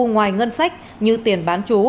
ngoài ngân sách như tiền bán chú